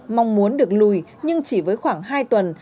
mong muốn được lùi nhưng chỉ với khoảng hai tuần